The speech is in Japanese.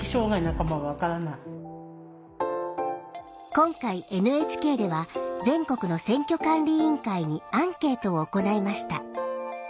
今回ＮＨＫでは全国の選挙管理委員会にアンケートを行いました。